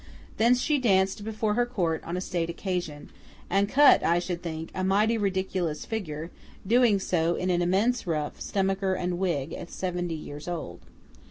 Then she danced before her Court on a state occasion—and cut, I should think, a mighty ridiculous figure, doing so in an immense ruff, stomacher and wig, at seventy years old.